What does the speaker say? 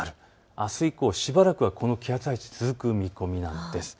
あす以降、しばらくはこの気圧配置、続く見込みなんです。